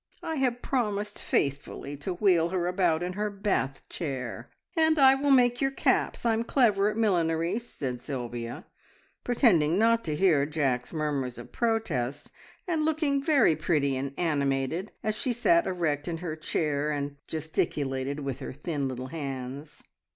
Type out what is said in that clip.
I have promised faithfully to wheel her about in her Bath chair." "And I will make your caps. I'm clever at millinery," said Sylvia, pretending not to hear Jack's murmurs of protest, and looking very pretty and animated as she sat erect in her chair and gesticulated with her thin little hands.